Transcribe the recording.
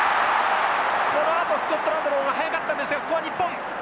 スコットランドの方が速かったんですがここは日本。